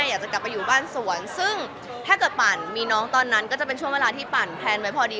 อยากจะกลับไปอยู่บ้านสวนซึ่งถ้าเกิดปั่นมีน้องตอนนั้นก็จะเป็นช่วงเวลาที่ปั่นแพลนไว้พอดี